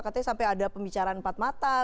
katanya sampai ada pembicaraan empat mata